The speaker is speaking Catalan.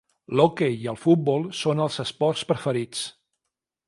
L'hoquei i el futbol són els esports preferits.